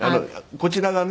こちらがね。